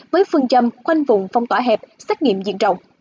với phương châm khoanh vùng phong tỏa hẹp xét nghiệm diện trọng